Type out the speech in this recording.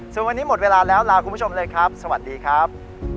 ส่วนวันนี้หมดเวลาแล้วลาคุณผู้ชมเลยครับสวัสดีครับ